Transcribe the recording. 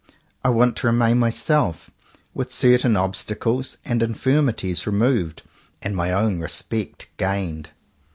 I want to remain myself, with certain obstacles and infirmities removed, and my own respect gained.